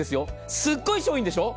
すごい商品でしょ。